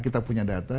kita punya data